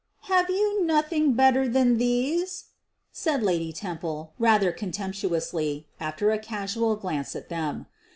"Have you nothing better than these V said Lady Temple, rather contemptuously, after a casual glance at them.